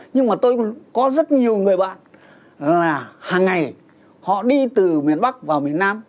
nhưng mà tôi có rất nhiều người bạn là hàng ngày họ đi từ miền bắc vào miền nam